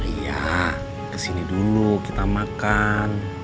iya kesini dulu kita makan